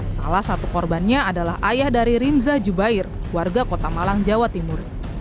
salah satu korbannya adalah ayah dari rimza jubair warga kota malang jawa timur